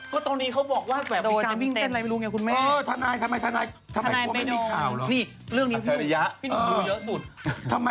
อ๋อเป็นกลิ่นต้องซื้อแต่งไปจริงเลยค่ะ